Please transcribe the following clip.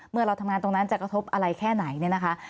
เราทำงานตรงนั้นจะกระทบอะไรแค่ไหนเนี่ยนะคะ